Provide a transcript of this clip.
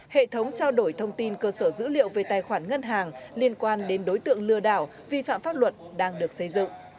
hệ thống trao đổi thông tin cơ sở dữ liệu về tài khoản ngân hàng liên quan đến đối tượng lừa đảo vi phạm pháp luật đang được xây dựng